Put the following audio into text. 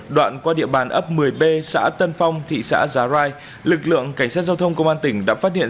đoạn qua địa bàn ấp một mươi b xã tân phong thị xã giá rai lực lượng cảnh sát giao thông công an tỉnh đã phát hiện